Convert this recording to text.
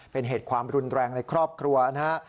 เป็นเหตุความรุนแรงในครอบครัวนะฮะ